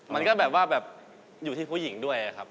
มันก็แบบว่าแบบอยู่ที่ผู้หญิงด้วยครับ